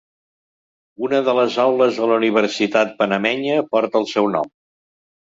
Una de les aules de la universitat panamenya porta el seu nom.